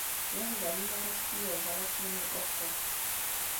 Jeho zajímavostí je zalesněný ostrov.